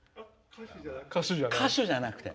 歌手じゃなくて。